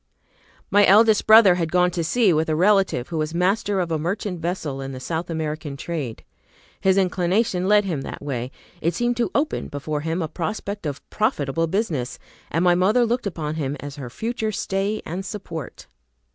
My eldest brother had gone to sea with a relative who was master of a merchant vessel in the South American trade. His inclination led him that way; it seemed to open before him a prospect of profitable business, and my mother looked upon him as her future stay and support.